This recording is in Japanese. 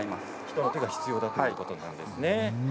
人の手が必要ということですね。